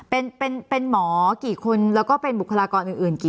เป็นหมอกี่คนแล้วก็เป็นบุคลากรอื่นกี่